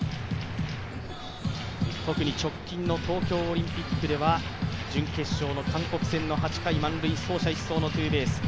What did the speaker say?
特に直近の東京オリンピックでは準決勝の韓国戦の８回満塁・走者一掃のツーベース。